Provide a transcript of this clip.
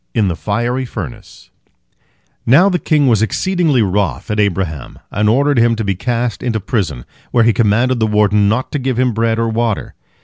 IN THE FIERY FURNACE Now the king was exceedingly wroth at Abraham, and ordered him to be cast into prison, where he commanded the warden not to give him bread or water.